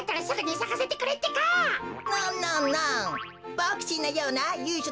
ボクちんのようなゆいしょ